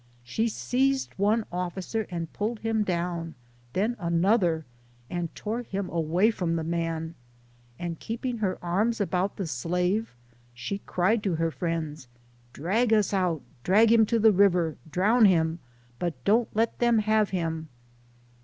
She seized one officer and pulled him down, then another, and tore him away from the man ; and keeping her arms about the slave, she cried to her friends :" Drag us out ! Drag him to the river ! Drown him ! but don't let them have him